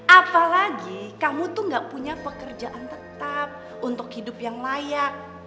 apalagi kamu tuh gak punya pekerjaan tetap untuk hidup yang layak